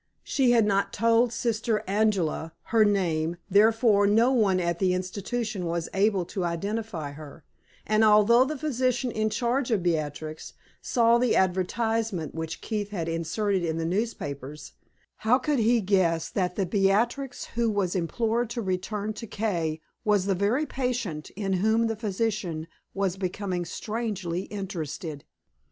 She had not told Sister Angela her name, therefore no one at the institution was able to identify her; and although the physician in charge of Beatrix saw the advertisement which Keith had inserted in the newspapers, how could he guess that the Beatrix who was implored to return to K was the very patient in whom the physician was becoming strangely interested?